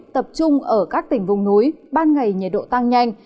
tập trung ở các tỉnh vùng núi ban ngày nhiệt độ tăng nhanh